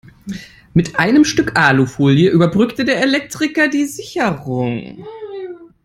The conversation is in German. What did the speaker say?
Mit einem Stück Alufolie überbrückte der Elektriker die Sicherung.